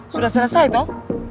sudah selesai toh